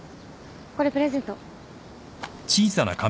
これプレゼント。